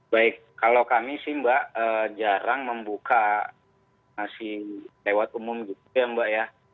baik kalau kami sih mbak jarang membuka masih lewat umum gitu ya mbak ya